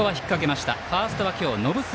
ファーストは今日、延末。